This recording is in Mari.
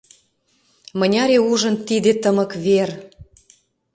Мыняре ужын тиде тымык вер.